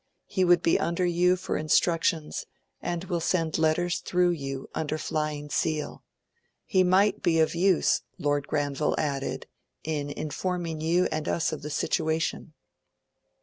He would be under you for instructions and will send letters through you under flying seal ... He might be of use,' Lord Granville added, in informing you and us of the situation.